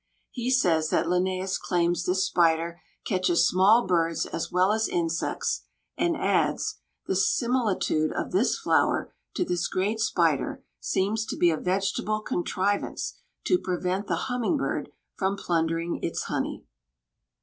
He says that Linnæus claims this spider catches small birds as well as insects, and adds: "The similitude of this flower to this great spider seems to be a vegetable contrivance to prevent the humming bird from plundering its honey."